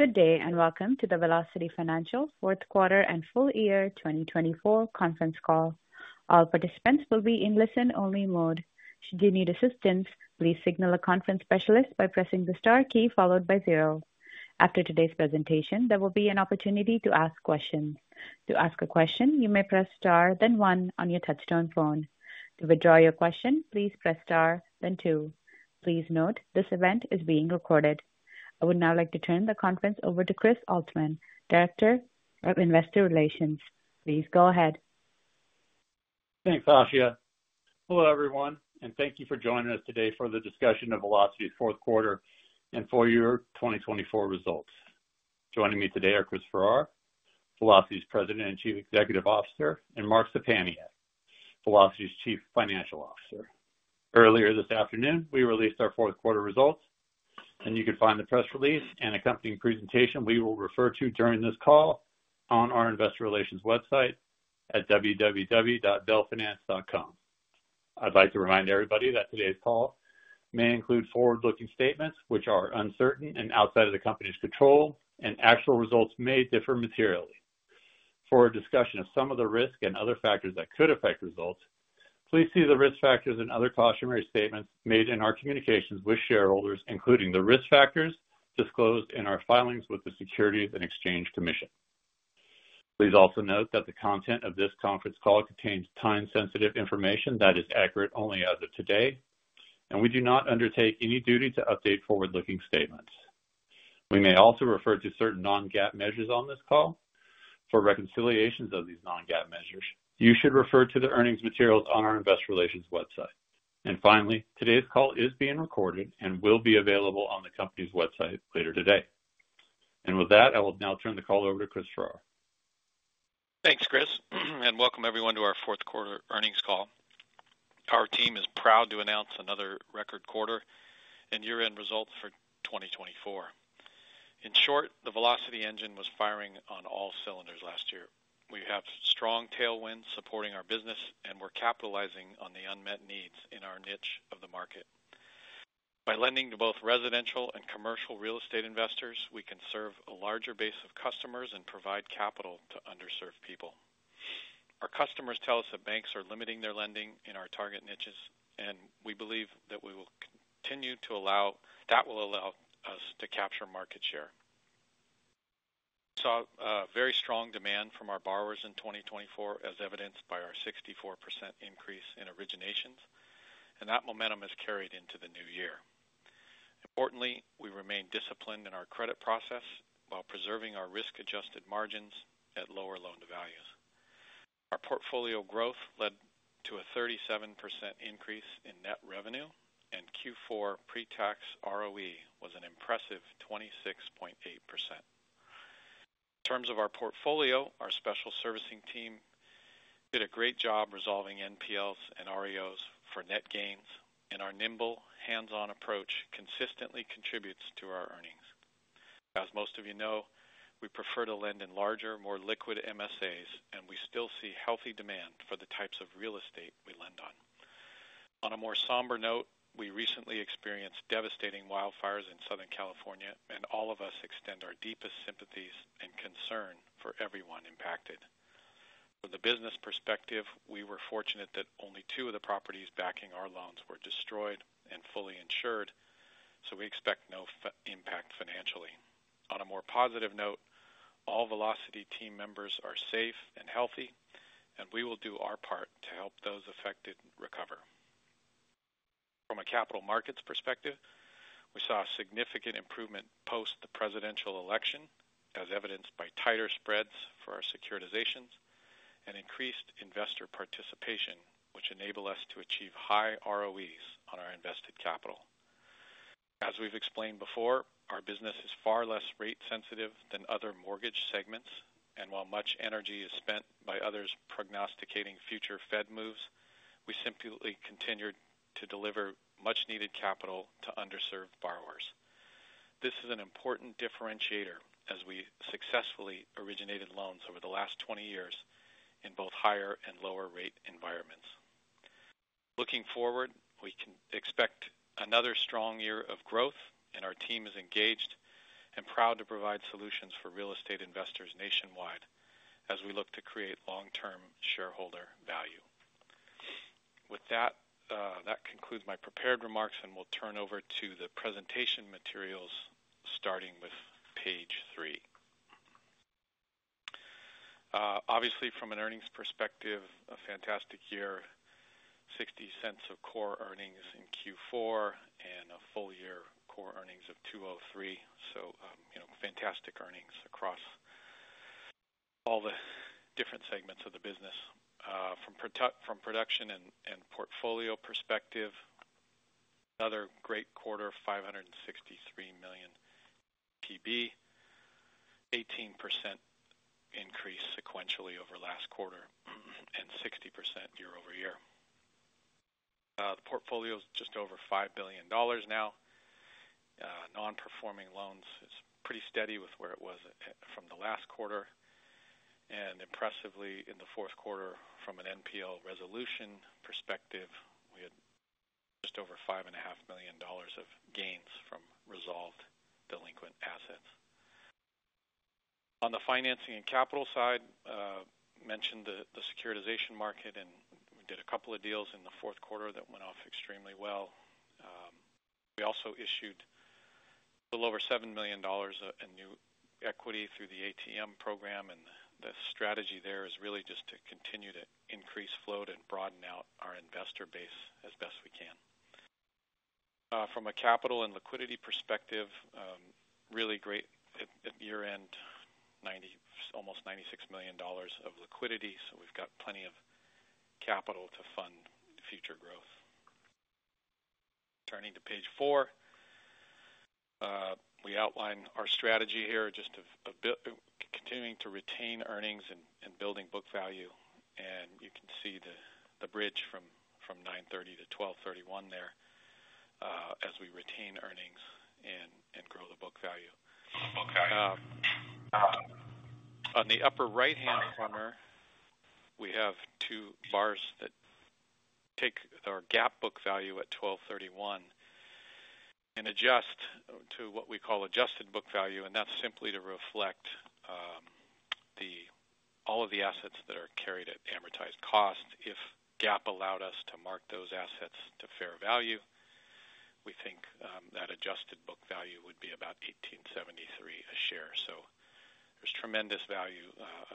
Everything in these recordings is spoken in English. Good day and welcome to the Velocity Financial Fourth Quarter and Full Year 2024 Conference Call. All participants will be in listen-only mode. Should you need assistance, please signal a conference specialist by pressing the star key followed by zero. After today's presentation, there will be an opportunity to ask questions. To ask a question, you may press star, then one on your touchstone phone. To withdraw your question, please press star, then two. Please note this event is being recorded. I would now like to turn the conference over to Chris Oltmann, Director of Investor Relations. Please go ahead. Thanks, Asha. Hello, everyone, and thank you for joining us today for the discussion of Velocity's fourth quarter and full year 2024 results. Joining me today are Chris Farrar, Velocity's President and Chief Executive Officer, and Mark Szczepaniak, Velocity's Chief Financial Officer. Earlier this afternoon, we released our fourth quarter results, and you can find the press release and accompanying presentation we will refer to during this call on our Investor Relations website at www.velfinance.com. I'd like to remind everybody that today's call may include forward-looking statements which are uncertain and outside of the company's control, and actual results may differ materially. For a discussion of some of the risk and other factors that could affect results, please see the risk factors and other cautionary statements made in our communications with shareholders, including the risk factors disclosed in our filings with the Securities and Exchange Commission. Please also note that the content of this conference call contains time-sensitive information that is accurate only as of today, and we do not undertake any duty to update forward-looking statements. We may also refer to certain non-GAAP measures on this call. For reconciliations of these non-GAAP measures, you should refer to the earnings materials on our Investor Relations website. Finally, today's call is being recorded and will be available on the company's website later today. With that, I will now turn the call over to Chris Farrar. Thanks, Chris, and welcome everyone to our fourth quarter earnings call. Our team is proud to announce another record quarter and year-end results for 2024. In short, the Velocity engine was firing on all cylinders last year. We have strong tailwinds supporting our business, and we're capitalizing on the unmet needs in our niche of the market. By lending to both residential and commercial real estate investors, we can serve a larger base of customers and provide capital to underserved people. Our customers tell us that banks are limiting their lending in our target niches, and we believe that will allow us to capture market share. We saw very strong demand from our borrowers in 2024, as evidenced by our 64% increase in originations, and that momentum has carried into the new year. Importantly, we remain disciplined in our credit process while preserving our risk-adjusted margins at lower loan-to-values. Our portfolio growth led to a 37% increase in net revenue, and Q4 pre-tax ROE was an impressive 26.8%. In terms of our portfolio, our special servicing team did a great job resolving NPLs and REOs for net gains, and our nimble, hands-on approach consistently contributes to our earnings. As most of you know, we prefer to lend in larger, more liquid MSAs, and we still see healthy demand for the types of real estate we lend on. On a more somber note, we recently experienced devastating wildfires in Southern California, and all of us extend our deepest sympathies and concern for everyone impacted. From the business perspective, we were fortunate that only two of the properties backing our loans were destroyed and fully insured, so we expect no impact financially. On a more positive note, all Velocity team members are safe and healthy, and we will do our part to help those affected recover. From a capital markets perspective, we saw a significant improvement post the presidential election, as evidenced by tighter spreads for our securitizations and increased investor participation, which enable us to achieve high ROEs on our invested capital. As we've explained before, our business is far less rate-sensitive than other mortgage segments, and while much energy is spent by others prognosticating future Fed moves, we simply continue to deliver much-needed capital to underserved borrowers. This is an important differentiator as we successfully originated loans over the last 20 years in both higher and lower-rate environments. Looking forward, we can expect another strong year of growth, and our team is engaged and proud to provide solutions for real estate investors nationwide as we look to create long-term shareholder value. With that, that concludes my prepared remarks, and we'll turn over to the presentation materials, starting with page three. Obviously, from an earnings perspective, a fantastic year, $0.60 of core earnings in Q4 and a full year core earnings of $2.03, so fantastic earnings across all the different segments of the business. From production and portfolio perspective, another great quarter, $563 million UPB, 18% increase sequentially over last quarter and 60% year-over-year. The portfolio is just over $5 billion now. Non-performing loans is pretty steady with where it was from the last quarter, and impressively, in the fourth quarter, from an NPL resolution perspective, we had just over $5.5 million of gains from resolved delinquent assets. On the financing and capital side, I mentioned the securitization market, and we did a couple of deals in the fourth quarter that went off extremely well. We also issued a little over $7 million in new equity through the ATM program, and the strategy there is really just to continue to increase float and broaden out our investor base as best we can. From a capital and liquidity perspective, really great at year-end, almost $96 million of liquidity, so we've got plenty of capital to fund future growth. Turning to page four, we outline our strategy here just a bit continuing to retain earnings and building book value, and you can see the bridge from 9/30 to 12/31 there as we retain earnings and grow the book value. On the upper right-hand corner, we have two bars that take our GAAP book value at 12/31 and adjust to what we call adjusted book value, and that's simply to reflect all of the assets that are carried at amortized cost. If GAAP allowed us to mark those assets to fair value, we think that adjusted book value would be about $18.73 a share. There is tremendous value,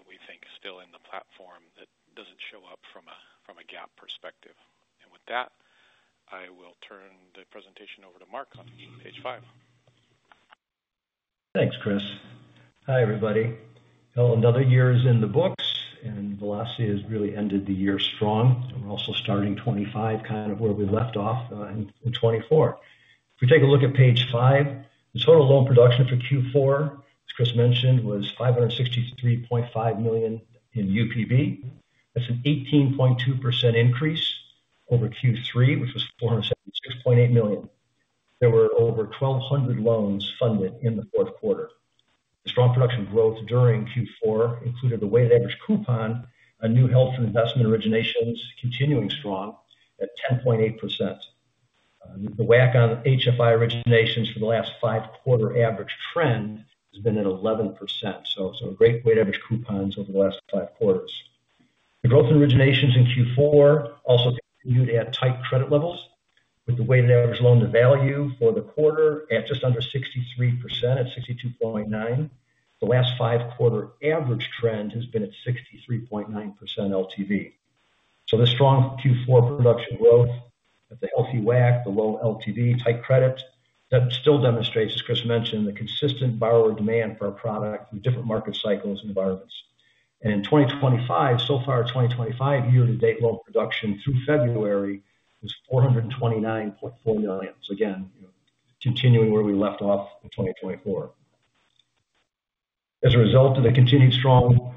we think, still in the platform that doesn't show up from a GAAP perspective. With that, I will turn the presentation over to Mark on page five. Thanks, Chris. Hi, everybody. Another year is in the books, and Velocity has really ended the year strong. We're also starting 2025 kind of where we left off in 2024. If we take a look at page five, the total loan production for Q4, as Chris mentioned, was $563.5 million in UPB. That's an 18.2% increase over Q3, which was $476.8 million. There were over 1,200 loans funded in the fourth quarter. The strong production growth during Q4 included the weighted average coupon and new health and investment originations continuing strong at 10.8%. The WAC on HFI originations for the last five-quarter average trend has been at 11%. Great weighted average coupons over the last five quarters. The growth in originations in Q4 also continued at tight credit levels, with the weighted average loan-to-value for the quarter at just under 63% at 62.9%. The last five-quarter average trend has been at 63.9% LTV. The strong Q4 production growth, the healthy WAC, the low LTV, tight credit still demonstrates, as Chris mentioned, the consistent borrower demand for our product through different market cycles and environments. In 2025, so far 2025, year-to-date loan production through February was $429.4 million. Again, continuing where we left off in 2024. As a result of the continued strong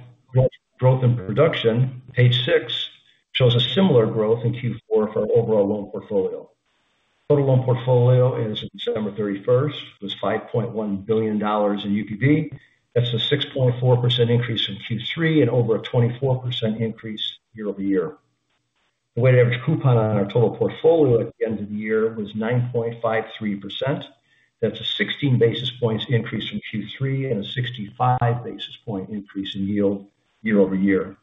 growth in production, page six shows a similar growth in Q4 for our overall loan portfolio. Total loan portfolio as of December 31 was $5.1 billion in UPB. That's a 6.4% increase from Q3 and over a 24% increase year-over-year. The weighted average coupon on our total portfolio at the end of the year was 9.53%. That's a 16 basis points increase from Q3 and a 65 basis point increase in yield year-over-year.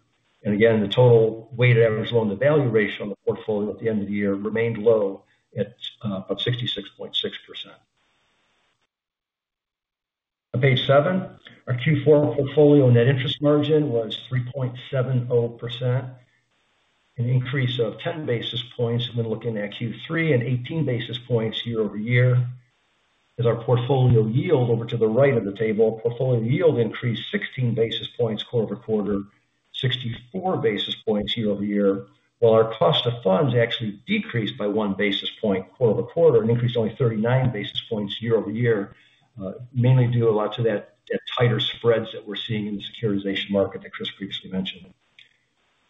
The total weighted average loan-to-value ratio on the portfolio at the end of the year remained low at about 66.6%. On page seven, our Q4 portfolio net interest margin was 3.70%. An increase of 10 basis points when looking at Q3 and 18 basis points year-over-year. As our portfolio yield over to the right of the table, portfolio yield increased 16 basis points quarter over quarter, 64 basis points year-over-year, while our cost of funds actually decreased by one basis point quarter over quarter and increased only 39 basis points year-over-year, mainly due a lot to that tighter spreads that we are seeing in the securitization market that Chris previously mentioned.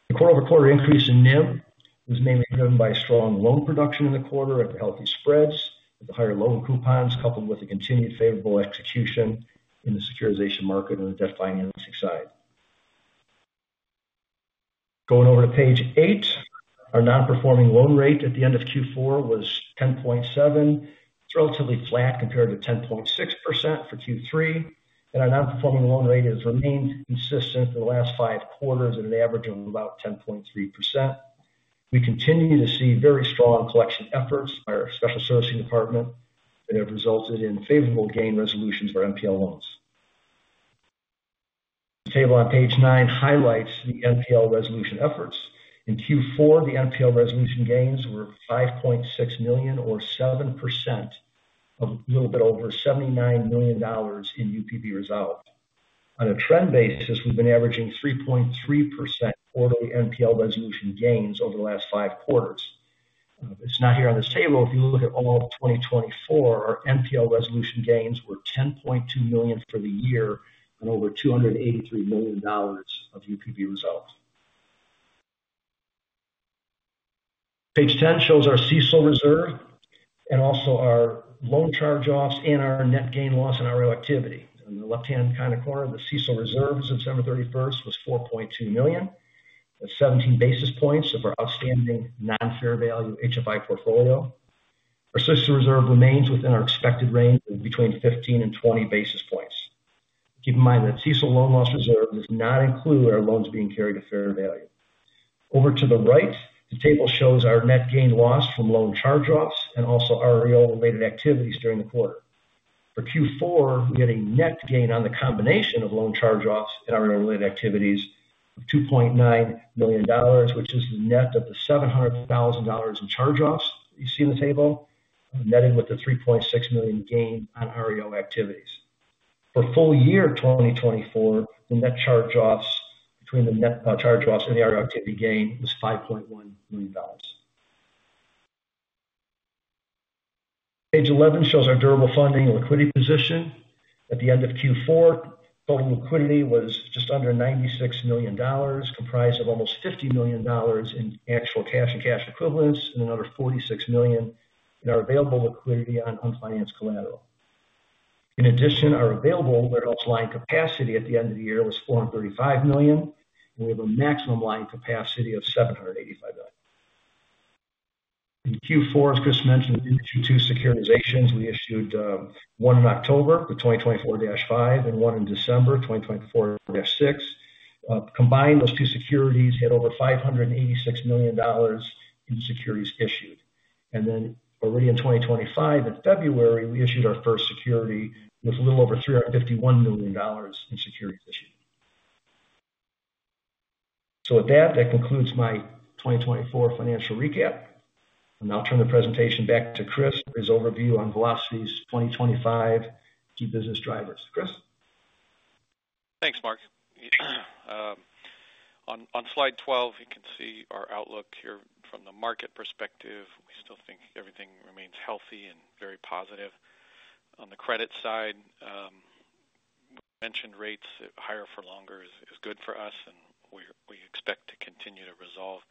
The quarter-over-quarter increase in NIM was mainly driven by strong loan production in the quarter at the healthy spreads, with the higher loan coupons coupled with the continued favorable execution in the securitization market and the debt financing side. Going over to page eight, our non-performing loan rate at the end of Q4 was 10.7%. It's relatively flat compared to 10.6% for Q3, and our non-performing loan rate has remained consistent for the last five quarters at an average of about 10.3%. We continue to see very strong collection efforts by our special servicing department that have resulted in favorable gain resolutions for NPL loans. The table on page nine highlights the NPL resolution efforts. In Q4, the NPL resolution gains were $5.6 million, or 7% of a little bit over $79 million in UPB resolved. On a trend basis, we've been averaging 3.3% quarterly NPL resolution gains over the last five quarters. It's not here on this table. If you look at all of 2024, our NPL resolution gains were $10.2 million for the year and over $283 million of UPB resolved. Page 10 shows our CSOL reserve and also our loan charge-offs and our net gain loss and our activity. On the left-hand kind of corner, the CSOL reserve as of December 31 was $4.2 million, 17 basis points of our outstanding non-fair value HFI portfolio. Our CSOL reserve remains within our expected range of between 15 and 20 basis points. Keep in mind that CSOL loan loss reserve does not include our loans being carried at fair value. Over to the right, the table shows our net gain loss from loan charge-offs and also REO-related activities during the quarter. For Q4, we had a net gain on the combination of loan charge-offs and REO-related activities of $2.9 million, which is the net of the $700,000 in charge-offs you see in the table, netted with the $3.6 million gain on REO activities. For full year 2024, the net charge-offs between the net charge-offs and the REO activity gain was $5.1 million. Page 11 shows our durable funding liquidity position. At the end of Q4, total liquidity was just under $96 million, comprised of almost $50 million in actual cash and cash equivalents, and another $46 million in our available liquidity on unfinanced collateral. In addition, our available warehouse line capacity at the end of the year was $435 million, and we have a maximum line capacity of $785 million. In Q4, as Chris mentioned, in Q2 securitizations, we issued one in October, the 2024-5, and one in December, 2024-6. Combined, those two securities had over $586 million in securities issued. Already in 2025, in February, we issued our first security with a little over $351 million in securities issued. With that, that concludes my 2024 financial recap. I'll turn the presentation back to Chris for his overview on Velocity's 2025 key business drivers. Chris? Thanks, Mark. On slide 12, you can see our outlook here from the market perspective. We still think everything remains healthy and very positive. On the credit side, we mentioned rates higher for longer is good for us, and we expect to continue to resolve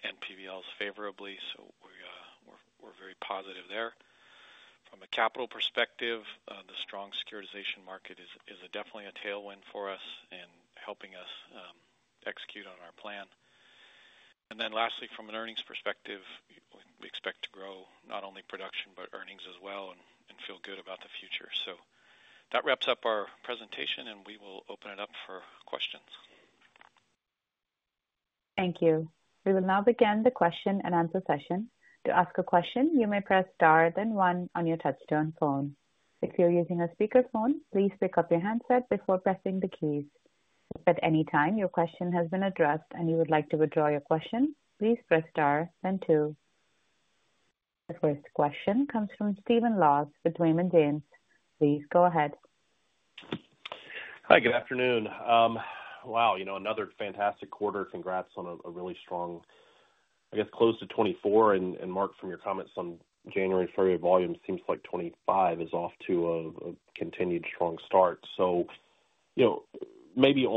NPLs favorably, so we're very positive there. From a capital perspective, the strong securitization market is definitely a tailwind for us and helping us execute on our plan. Lastly, from an earnings perspective, we expect to grow not only production but earnings as well and feel good about the future. That wraps up our presentation, and we will open it up for questions. Thank you. We will now begin the question and answer session. To ask a question, you may press star, then one on your touch-tone phone. If you're using a speakerphone, please pick up your handset before pressing the keys. If at any time your question has been addressed and you would like to withdraw your question, please press star, then two. The first question comes from Stephen Loss with William Blair. Please go ahead. Hi, good afternoon. Wow, another fantastic quarter. Congrats on a really strong, I guess, close to 2024. Mark, from your comments on January for your volume, it seems like 2025 is off to a continued strong start.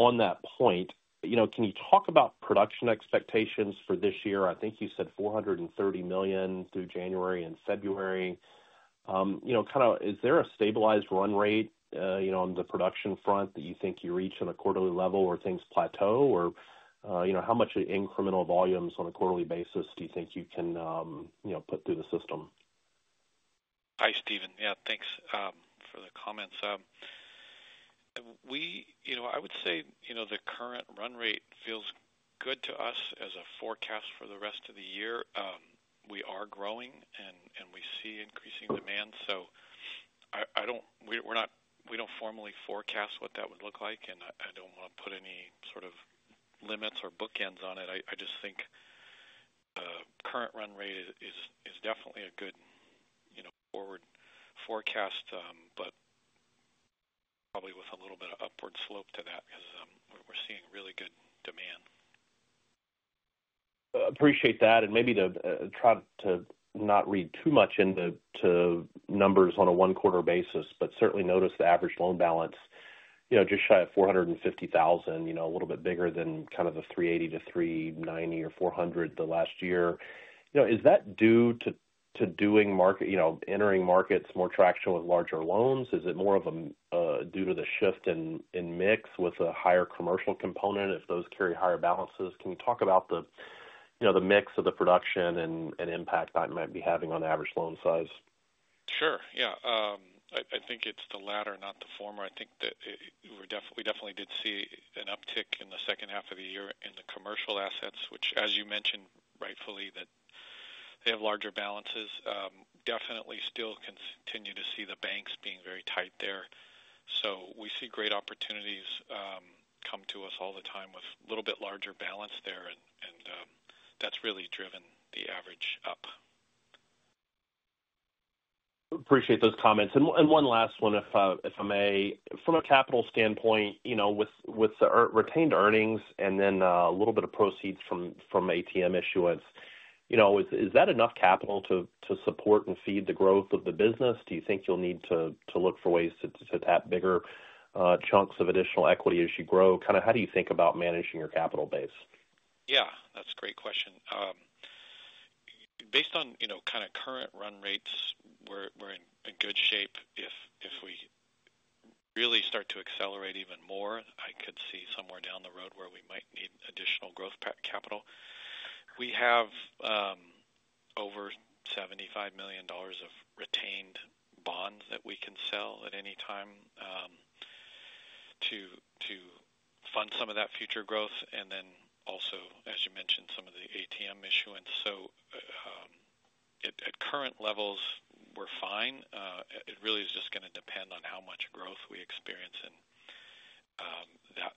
On that point, can you talk about production expectations for this year? I think you said $430 million through January and February. Is there a stabilized run rate on the production front that you think you reach on a quarterly level where things plateau, or how much incremental volumes on a quarterly basis do you think you can put through the system? Hi, Stephen. Yeah, thanks for the comments. I would say the current run rate feels good to us as a forecast for the rest of the year. We are growing, and we see increasing demand. We do not formally forecast what that would look like, and I do not want to put any sort of limits or bookends on it. I just think the current run rate is definitely a good forward forecast, but probably with a little bit of upward slope to that because we are seeing really good demand. Appreciate that. Maybe try to not read too much into numbers on a one-quarter basis, but certainly notice the average loan balance just shy of $450,000, a little bit bigger than kind of the $380,000-$390,000 or $400,000 the last year. Is that due to entering markets, more traction with larger loans? Is it more due to the shift in mix with a higher commercial component if those carry higher balances? Can you talk about the mix of the production and impact that might be having on average loan size? Sure. Yeah. I think it's the latter, not the former. I think that we definitely did see an uptick in the second half of the year in the commercial assets, which, as you mentioned rightfully, that they have larger balances. Definitely still continue to see the banks being very tight there. We see great opportunities come to us all the time with a little bit larger balance there, and that's really driven the average up. Appreciate those comments. One last one, if I may. From a capital standpoint, with retained earnings and then a little bit of proceeds from ATM issuance, is that enough capital to support and feed the growth of the business? Do you think you'll need to look for ways to tap bigger chunks of additional equity as you grow? Kind of how do you think about managing your capital base? Yeah, that's a great question. Based on kind of current run rates, we're in good shape. If we really start to accelerate even more, I could see somewhere down the road where we might need additional growth capital. We have over $75 million of retained bonds that we can sell at any time to fund some of that future growth, and also, as you mentioned, some of the ATM issuance. At current levels, we're fine. It really is just going to depend on how much growth we experience, and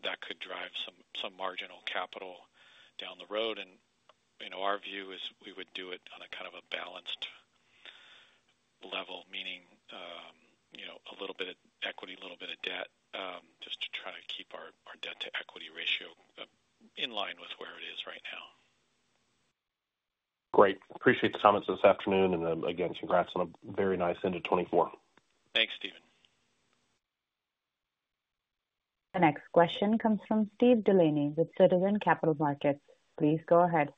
that could drive some marginal capital down the road. Our view is we would do it on a kind of a balanced level, meaning a little bit of equity, a little bit of debt, just to try to keep our debt-to-equity ratio in line with where it is right now. Great. Appreciate the comments this afternoon. Again, congrats on a very nice end of 2024. Thanks, Stephen. The next question comes from Steve Delaney with Citizens JMP Securities. Please go ahead.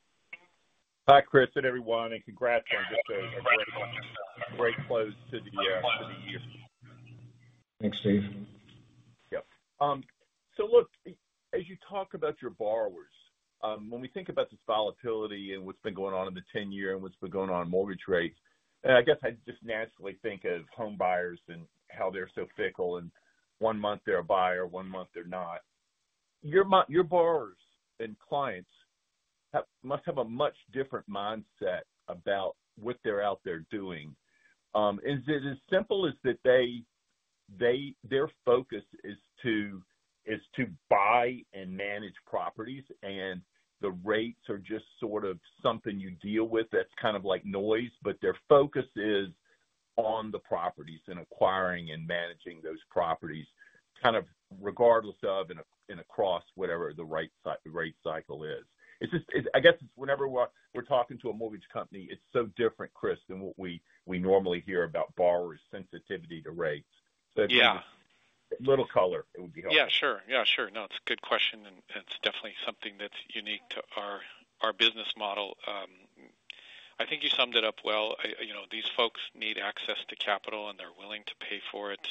Hi, Chris, and everyone, and congrats on just a great close to the year. Thanks, Steve. Yep. Look, as you talk about your borrowers, when we think about this volatility and what's been going on in the 10-year and what's been going on in mortgage rates, I guess I just naturally think of homebuyers and how they're so fickle. One month they're a buyer, one month they're not. Your borrowers and clients must have a much different mindset about what they're out there doing. Is it as simple as that their focus is to buy and manage properties, and the rates are just sort of something you deal with that's kind of like noise, but their focus is on the properties and acquiring and managing those properties kind of regardless of and across whatever the rate cycle is. I guess it's whenever we're talking to a mortgage company, it's so different, Chris, than what we normally hear about borrowers' sensitivity to rates. If you have a little color, it would be helpful. Yeah, sure. Yeah, sure. No, it's a good question, and it's definitely something that's unique to our business model. I think you summed it up well. These folks need access to capital, and they're willing to pay for it.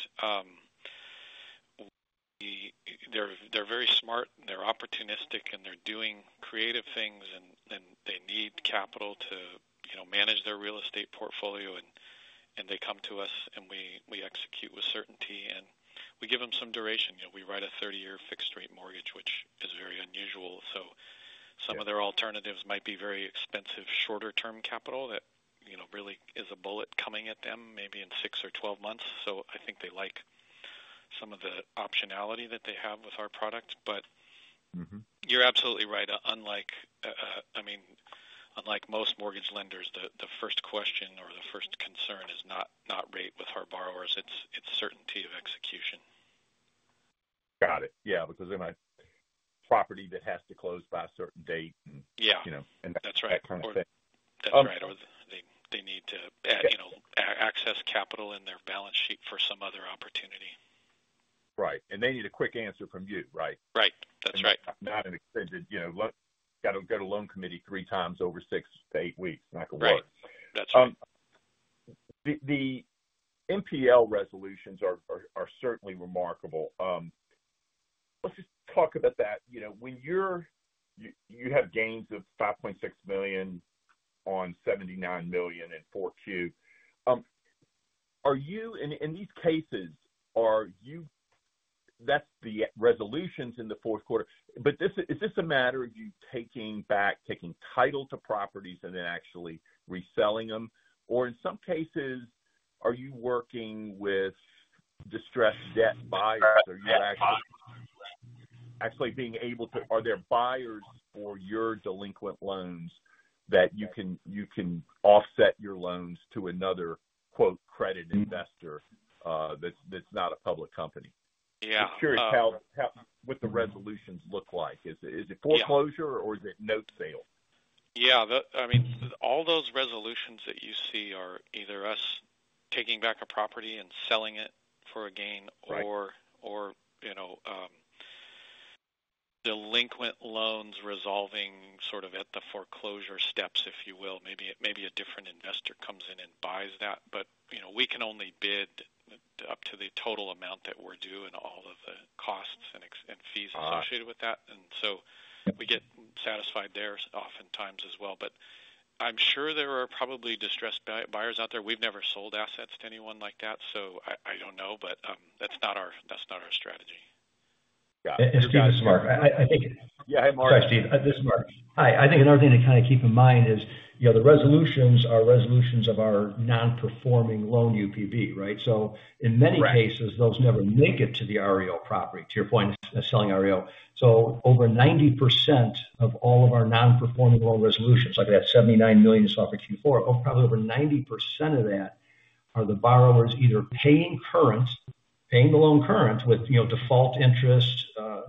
They're very smart, and they're opportunistic, and they're doing creative things, and they need capital to manage their real estate portfolio. They come to us, and we execute with certainty, and we give them some duration. We write a 30-year fixed-rate mortgage, which is very unusual. Some of their alternatives might be very expensive shorter-term capital that really is a bullet coming at them maybe in 6 or 12 months. I think they like some of the optionality that they have with our product. You're absolutely right. I mean, unlike most mortgage lenders, the first question or the first concern is not rate with our borrowers. It's certainty of execution. Got it. Yeah, because they're not property that has to close by a certain date. Yeah, that's right. That kind of thing. That's right. Or they need to access capital in their balance sheet for some other opportunity. Right. They need a quick answer from you, right? Right. That's right. Not an extended loan committee three times over six to eight weeks. Not going to work. Right. That's right. The NPL resolutions are certainly remarkable. Let's just talk about that. When you have gains of $5.6 million on $79 million in '04-'02, in these cases, that's the resolutions in the fourth quarter. Is this a matter of you taking back, taking title to properties, and then actually reselling them? In some cases, are you working with distressed debt buyers? Are you actually being able to—are there buyers for your delinquent loans that you can offset your loans to another "credit investor" that's not a public company? Yeah. I'm curious what the resolutions look like. Is it foreclosure, or is it note sale? Yeah. I mean, all those resolutions that you see are either us taking back a property and selling it for a gain or delinquent loans resolving sort of at the foreclosure steps, if you will. Maybe a different investor comes in and buys that. We can only bid up to the total amount that we're due and all of the costs and fees associated with that. We get satisfied there oftentimes as well. I'm sure there are probably distressed buyers out there. We've never sold assets to anyone like that, so I don't know, that's not our strategy. This is Mark. Yeah, hey, Mark. Hi, Steve. This is Mark. Hi. I think another thing to kind of keep in mind is the resolutions are resolutions of our non-performing loan UPB, right? In many cases, those never make it to the REO property, to your point, selling REO. Over 90% of all of our non-performing loan resolutions, like that $79 million we saw for Q4, probably over 90% of that are the borrowers either paying current, paying the loan current with default interest,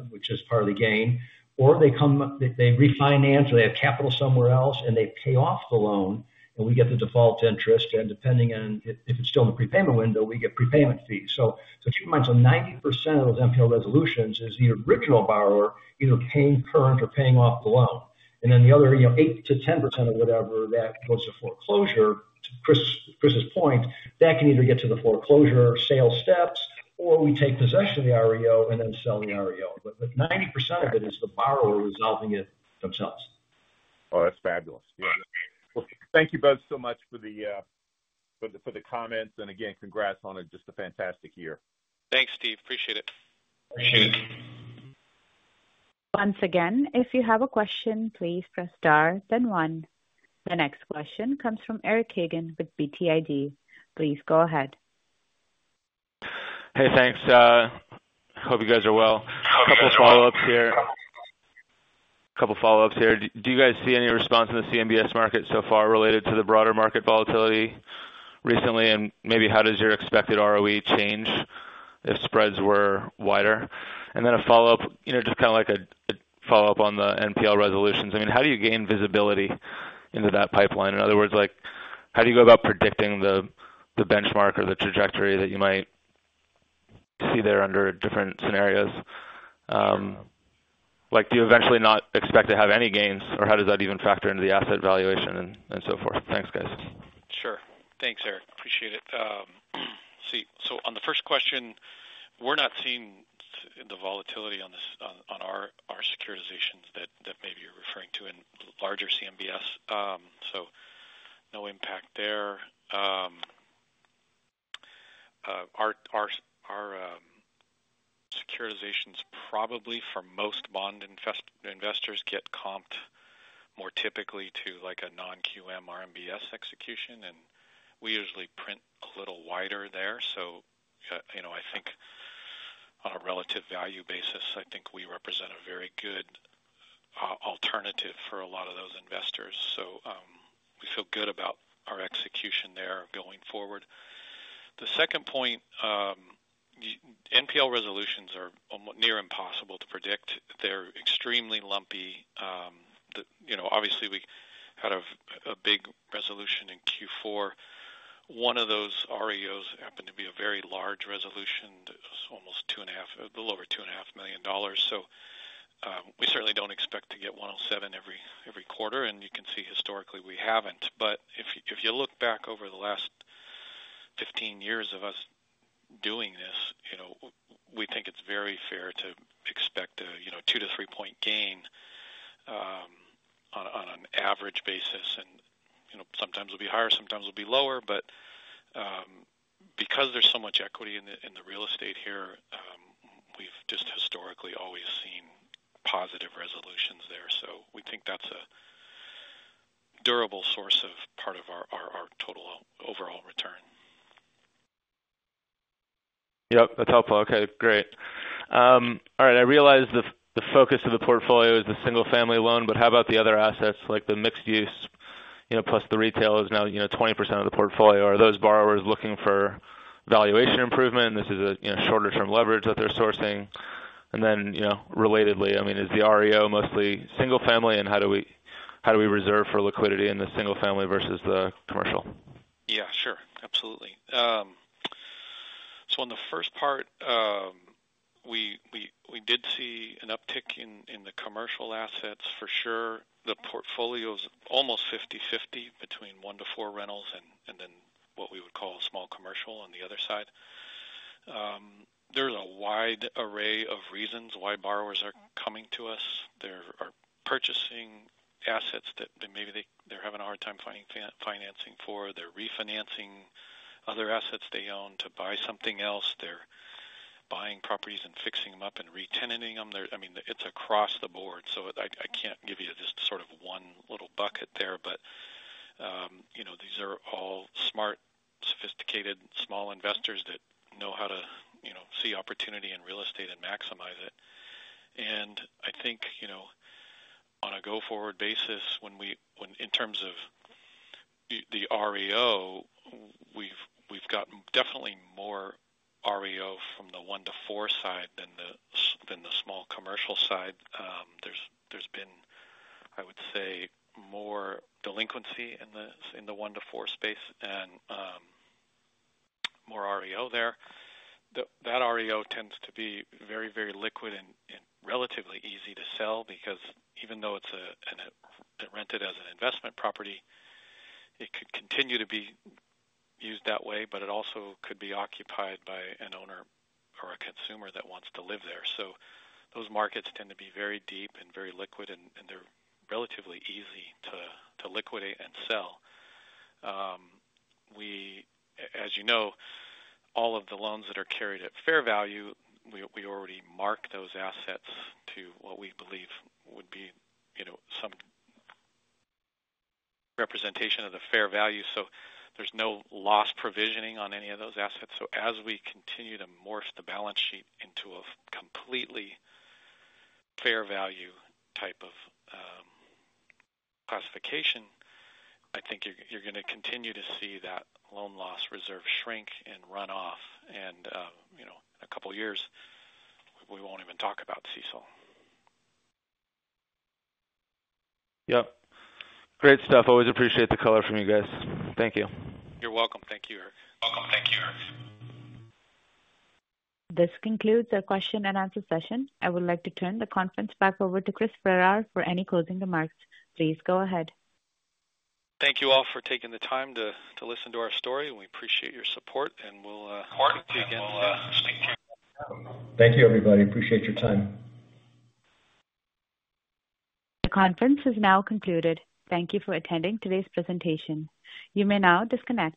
which is part of the gain, or they refinance, or they have capital somewhere else, and they pay off the loan, and we get the default interest. Depending on if it is still in the prepayment window, we get prepayment fees. Keep in mind, 90% of those NPL resolutions is the original borrower either paying current or paying off the loan. The other 8%-10% or whatever that goes to foreclosure, to Chris's point, that can either get to the foreclosure sale steps, or we take possession of the REO and then sell the REO. Ninety percent of it is the borrower resolving it themselves. Oh, that's fabulous. Yeah. Thank you both so much for the comments. Again, congrats on just a fantastic year. Thanks, Steve. Appreciate it. Appreciate it. Once again, if you have a question, please press star, then one. The next question comes from Eric Hagen with BTIG. Please go ahead. Hey, thanks. Hope you guys are well. A couple of follow-ups here. Do you guys see any response in the CMBS market so far related to the broader market volatility recently? How does your expected ROE change if spreads were wider? A follow-up, just kind of like a follow-up on the NPL resolutions. I mean, how do you gain visibility into that pipeline? In other words, how do you go about predicting the benchmark or the trajectory that you might see there under different scenarios? Do you eventually not expect to have any gains, or how does that even factor into the asset valuation and so forth? Thanks, guys. Sure. Thanks, Eric. Appreciate it. On the first question, we're not seeing the volatility on our securitizations that maybe you're referring to in larger CMBS. No impact there. Our securitizations probably for most bond investors get comped more typically to a non-QM RMBS execution, and we usually print a little wider there. I think on a relative value basis, I think we represent a very good alternative for a lot of those investors. We feel good about our execution there going forward. The second point, NPL resolutions are near impossible to predict. They're extremely lumpy. Obviously, we had a big resolution in 2004. One of those REOs happened to be a very large resolution, almost a little over $2.5 million. We certainly don't expect to get 107 every quarter, and you can see historically we haven't. If you look back over the last 15 years of us doing this, we think it's very fair to expect a 2-3 percentage point gain on an average basis. Sometimes it'll be higher, sometimes it'll be lower. Because there's so much equity in the real estate here, we've just historically always seen positive resolutions there. We think that's a durable source of part of our total overall return. Yep. That's helpful. Okay. Great. All right. I realize the focus of the portfolio is the single-family loan, but how about the other assets, like the mixed-use plus the retail is now 20% of the portfolio? Are those borrowers looking for valuation improvement? This is a shorter-term leverage that they're sourcing. I mean, is the REO mostly single-family, and how do we reserve for liquidity in the single-family versus the commercial? Yeah, sure. Absolutely. In the first part, we did see an uptick in the commercial assets for sure. The portfolio is almost 50/50 between one to four rentals and then what we would call a small commercial on the other side. There is a wide array of reasons why borrowers are coming to us. They are purchasing assets that maybe they are having a hard time financing for. They are refinancing other assets they own to buy something else. They are buying properties and fixing them up and re-tenanting them. I mean, it is across the board. I cannot give you just sort of one little bucket there, but these are all smart, sophisticated, small investors that know how to see opportunity in real estate and maximize it. I think on a go-forward basis, in terms of the REO, we have gotten definitely more REO from the one-to-four side than the small commercial side. There's been, I would say, more delinquency in the one-to-four space and more REO there. That REO tends to be very, very liquid and relatively easy to sell because even though it's rented as an investment property, it could continue to be used that way, but it also could be occupied by an owner or a consumer that wants to live there. Those markets tend to be very deep and very liquid, and they're relatively easy to liquidate and sell. As you know, all of the loans that are carried at fair value, we already mark those assets to what we believe would be some representation of the fair value. There's no loss provisioning on any of those assets. As we continue to morph the balance sheet into a completely fair value type of classification, I think you're going to continue to see that loan loss reserve shrink and run off. In a couple of years, we won't even talk about CSOL. Yep. Great stuff. Always appreciate the color from you guys. Thank you. You're welcome. Thank you, Eric. Welcome. Thank you, Eric. This concludes our question-and-answer session. I would like to turn the conference back over to Chris Farrar for any closing remarks. Please go ahead. Thank you all for taking the time to listen to our story. We appreciate your support, and we'll. Partners again. Thank you, everybody. Appreciate your time. The conference has now concluded. Thank you for attending today's presentation. You may now disconnect.